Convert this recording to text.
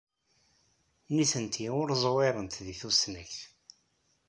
Nitenti ur ẓwirent deg tusnakt.